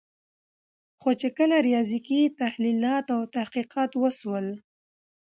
خو کله چي ریاضیکي تحلیلات او تحقیقات وسول